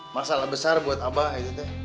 masalah besar buat abah itu teh